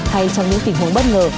hay trong những tình huống bất ngờ